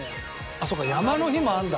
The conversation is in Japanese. あっそっか山の日もあるんだ。